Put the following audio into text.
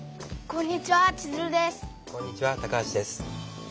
こんにちは橋です。